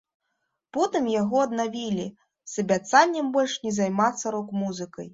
Потым яго аднавілі з абяцаннем больш не займацца рок-музыкай.